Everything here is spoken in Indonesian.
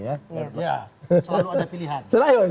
iya selalu ada pilihan